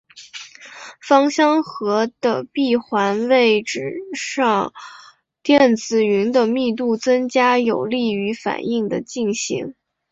芳香核的闭环位置上电子云的密度增加有利于反应的进行。